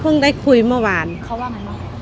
เพิ่งได้คุยเมื่อวานเขาว่าไง